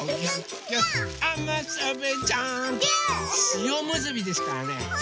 しおむすびですからね。